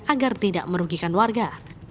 agar tidak merugikan warga